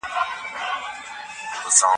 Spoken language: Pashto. هغه څوک چي څېړنه کوي د علم په ارزښت پوهېږي.